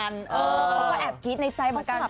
เขาก็แอบคิดในใจเหมือนกัน